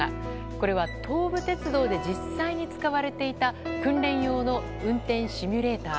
これは、東武鉄道で実際に使われていた訓練用の運転シミュレーター。